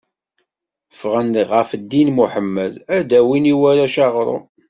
Ffɣen ɣef ddin n Muḥemmed, ad d-awin i warrac aɣrum.